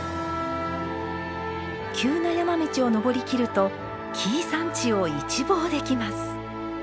急な山道を登りきると紀伊山地を一望できます。